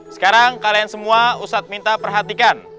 sekarang kalian semua ustadz minta perhatikan